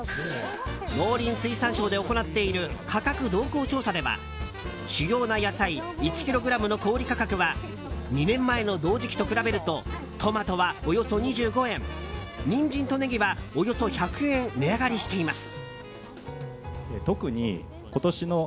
農林水産省で行っている価格動向調査では主要な野菜１ｋｇの小売価格は２年前の同時期と比べるとトマトは、およそ２５円ニンジンとネギはおよそ１００円値上がりしています。